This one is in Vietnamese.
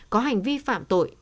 có hành vi phạm tội